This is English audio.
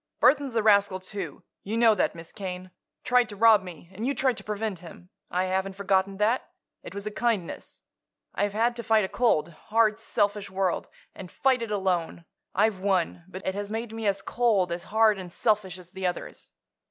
"Burthon's a rascal, too. You know that, Miss Kane. Tried to rob me; and you tried to prevent him. I haven't forgotten that; it was a kindness. I've had to fight a cold, hard, selfish world, and fight it alone. I've won; but it has made me as cold, as hard and selfish as the others.